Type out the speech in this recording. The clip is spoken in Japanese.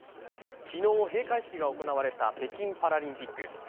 昨日、閉会式が行われた北京パラリンピック。